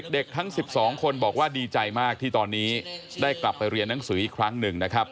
เด็กทั้ง๑๒คนบอกว่าดีใจมากที่ตอนนี้ได้กลับไปเรียนหนังสืออีกครั้งหนึ่งนะครับ